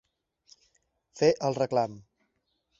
Fer el reclam.